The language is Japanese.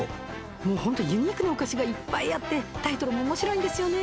もうホントにユニークなお菓子がいっぱいあってタイトルも面白いんですよね。